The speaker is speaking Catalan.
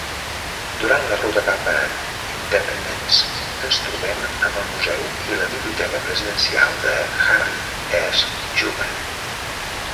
Durant la ruta cap a Independence ens trobem amb el Museu i la Biblioteca Presidencial de Harry S. Truman.